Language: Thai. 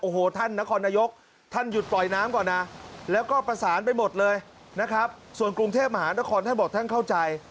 โอ้โหท่านนครนายกท่านหยุดปล่อยน้ำก่อนนะแล้วก็ประสานไปหมดเลยนะครับส่วนกรุงเทพมหานครท่านบอกท่านเข้าใจ